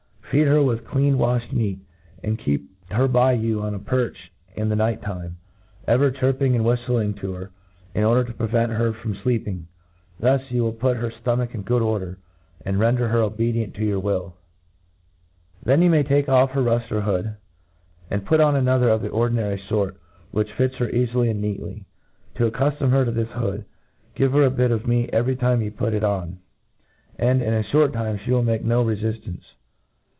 Feed her with clean waihed meat ; and keep her by you on a perch in the night time, ever chirping and whiftling to her, in order to prevent her from fleeping. Thus you will put her ftomach in good order^ and ren der her obedient to your will. Then you may take off" her ruftcr hopd, and put on another of the ordinary fort, which fits her eafily and neatly. To accuftom her to this hood, give her a bit of meat <;very time you put it on, and,.in aihort time, fl^e will make no refiftance.